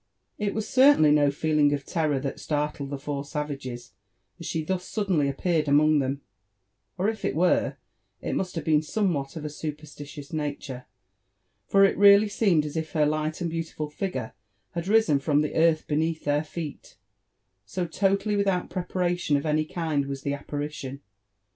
i • It waa certaioly no feeling of terror that startled the four aayagea as she thus suddenly appeared among them ; or if it were» it must have been somewhat of a superstitious nature, for it really seemed as if her light and beautiful figure had risen from the earth beneath Uieir feet, so totally without preparation of any kind was the apparition.